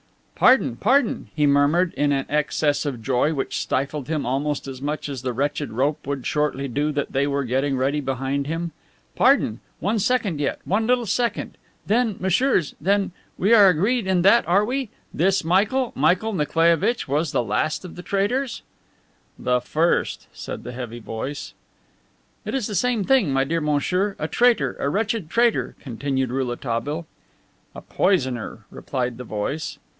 "Pardon, pardon," he murmured, in an excess of joy which stifled him almost as much as the wretched rope would shortly do that they were getting ready behind him. "Pardon. One second yet, one little second. Then, messieurs, then, we are agreed in that, are we? This Michael, Michael Nikolaievitch was the the last of traitors." "The first," said the heavy voice. "It is the same thing, my dear monsieur. A traitor, a wretched traitor," continued Rouletabille. "A poisoner," replied the voice.